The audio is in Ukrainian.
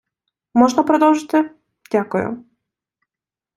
Можна продовжити? Дякую.